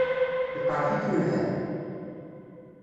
Iqṛeḥ-ikem lḥal?